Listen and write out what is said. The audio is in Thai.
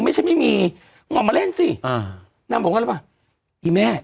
ไม่ใช่ไม่มีงอมาเล่นสิอ่าน้ำบอกว่าอะไรป่ะไอ้แม่